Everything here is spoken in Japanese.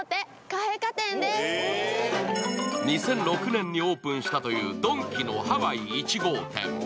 ２００６年にオープンしたというドンキのハワイ１号店。